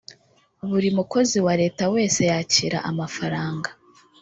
buri mukozi wa leta wese yakira amafaranga